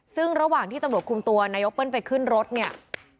ซึ่งระหว่างที่ตำรวจคุมตัวนายกเปิ้ลไปขึ้นรถเนี่ย